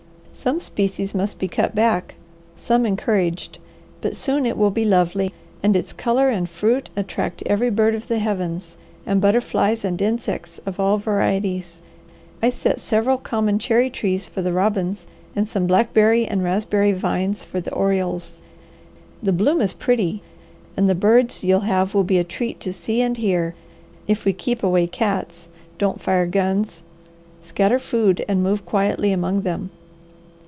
Some species must be cut back, some encouraged, but soon it will be lovely, and its colour and fruit attract every bird of the heavens and butterflies and insects of all varieties. I set several common cherry trees for the robins and some blackberry and raspberry vines for the orioles. The bloom is pretty and the birds you'll have will be a treat to see and hear, if we keep away cats, don't fire guns, scatter food, and move quietly among them.